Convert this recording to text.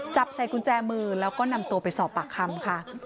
จับใส่กุญแจมือแล้วก็นำตัวไปสอบปากคำค่ะ